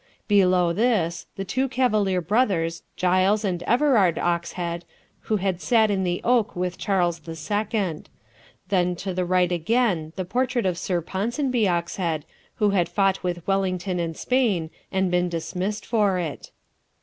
Below this, the two Cavalier brothers, Giles and Everard Oxhead, who had sat in the oak with Charles II. Then to the right again the portrait of Sir Ponsonby Oxhead who had fought with Wellington in Spain, and been dismissed for it.